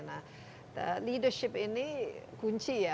nah leadership ini kunci ya